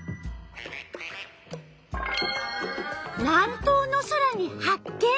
南東の空に発見。